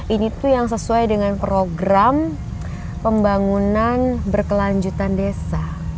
ini tuh yang sesuai dengan program pembangunan berkelanjutan desa